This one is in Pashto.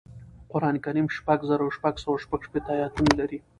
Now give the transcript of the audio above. قرآن کریم شپږ زره شپږسوه شپږشپیتمه اياتونه لري